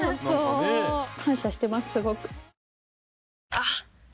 あっ！